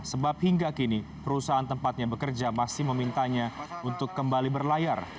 sebab hingga kini perusahaan tempatnya bekerja masih memintanya untuk kembali berlayar